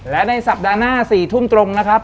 และในสัปดาห์หน้า๔ทุ่มตรงนะครับ